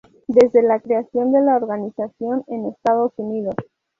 Desde la creación de la organización en Estados Unidos